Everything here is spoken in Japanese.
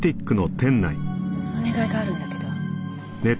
お願いがあるんだけど。